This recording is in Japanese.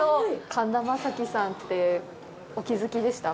神田正輝さんってお気づきでした？